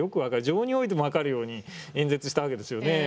情においても分かるように演説したわけですよね。